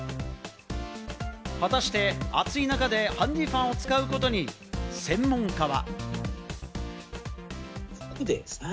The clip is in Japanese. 果たして暑い中でハンディファンを使うことに専門家は。